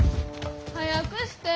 早くして。